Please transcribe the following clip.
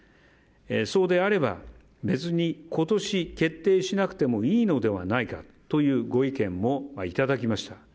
そうであれば、別に今年決定しなくてもいいのではないかというご意見もいただきました。